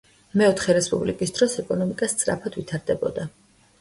მეოთხე რესპუბლიკის დროს ეკონომიკა სწრაფად ვითარდებოდა.